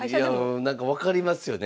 なんか分かりますよね。